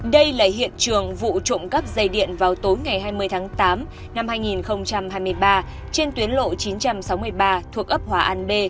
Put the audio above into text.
đây là hiện trường vụ trộm cắp dây điện vào tối ngày hai mươi tháng tám năm hai nghìn hai mươi ba trên tuyến lộ chín trăm sáu mươi ba thuộc ấp hòa an b